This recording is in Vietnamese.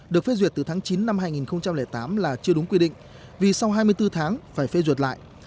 được phê duyệt từ tháng chín năm hai nghìn tám là chưa đúng quy định vì sau hai mươi bốn tháng phải phê duyệt lại